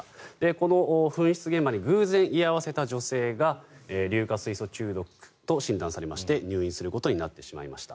この噴出現場に偶然居合わせた女性が硫化水素中毒と診断されまして入院することになってしまいました。